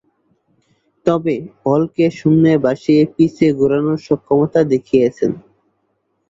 তবে, বলকে শূন্যে ভাসিয়ে পিচে ঘোরানোয় সক্ষমতা দেখিয়েছেন।